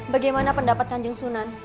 bagaimana pendapat kanjeng sunan